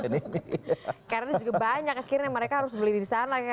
karena ini juga banyak akhirnya mereka harus beli disana